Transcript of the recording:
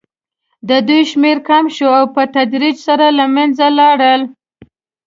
د دوی شمېر کم شو او په تدریج سره له منځه لاړل.